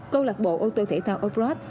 câu lạc bộ ô tô thể thao offroad